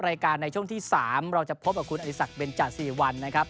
รายการในช่วงที่๓เราจะพบกับคุณอธิสักเป็นจัด๔วันนะครับ